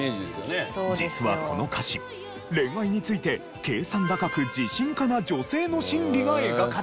実はこの歌詞恋愛について計算高く自信家な女性の心理が描かれているんです。